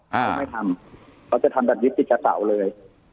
ไม่ทำเขาจะทำแบบวิธีกศาสตร์เลย